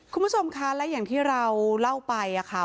คุณผู้ชมคะและอย่างที่เราเล่าไปค่ะ